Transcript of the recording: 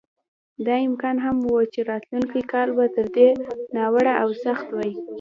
دا امکان هم و چې راتلونکی کال به تر دې ناوړه او سخت وای.